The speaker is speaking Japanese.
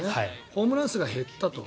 ホームラン数が減ったと。